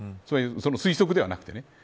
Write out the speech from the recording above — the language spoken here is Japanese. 推測ではなくてね。